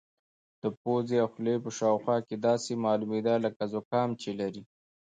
د پوزې او خولې په شاوخوا کې داسې معلومېده لکه زکام چې لري.